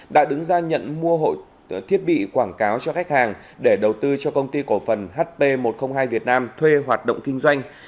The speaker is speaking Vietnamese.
đã đứng ra nhận mua thiết bị quảng cáo cho khách hàng để đầu tư cho công ty cổ phần hp một trăm linh hai việt nam thuê hoạt động kinh doanh